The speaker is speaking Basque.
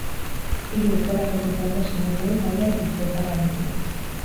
Hiru urterako kontratua sinatu du talde bizkaitarrarekin.